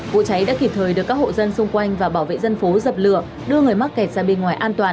vụ cháy đã kịp thời được các hộ dân xung quanh và bảo vệ dân phố dập lửa đưa người mắc kẹt ra bên ngoài an toàn